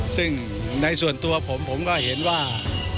ซึ่งในส่วนตัวผมผมก็เห็นว่า